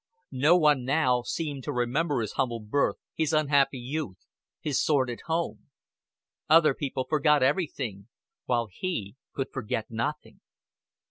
No one now seemed to remember his humble birth, his unhappy youth, his sordid home. Other people forgot everything; while he could forget nothing.